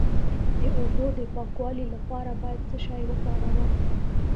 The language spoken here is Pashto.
د اوبو د پاکوالي لپاره باید څه شی وکاروم؟